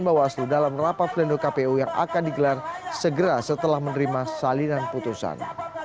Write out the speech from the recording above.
bawaslu dalam rapat plendo kpu yang akan digelar segera setelah menerima salinan putusan